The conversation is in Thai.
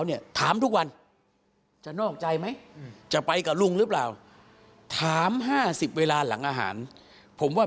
ว่าไม่คิดหักหลังกันอะ